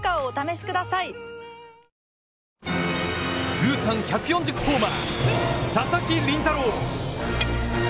通算１４０ホーマー佐々木麟太郎。